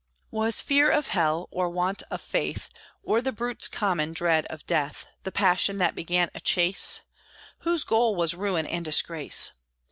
Was fear of hell, or want of faith, Or the brute's common dread of death The passion that began a chase, Whose goal was ruin and disgrace?